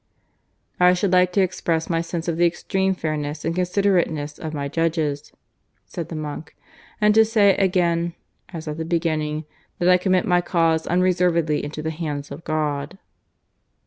"I should like to express my sense of the extreme fairness and considerateness of my judges," said the monk, "and to say again, as at the beginning, that I commit my cause unreservedly into the hands of God."